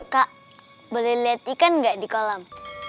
kak boleh lihat ikan nggak di kolam